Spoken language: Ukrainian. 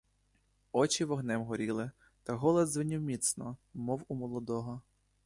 Очі вогнем горіли, та голос дзвенів міцно, мов у молодого.